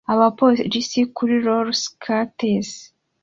Abapolisi kuri rollerskates